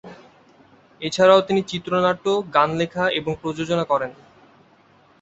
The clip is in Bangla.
এছাড়াও তিনি চিত্রনাট্য, গান লেখা এবং প্রযোজনা করেন।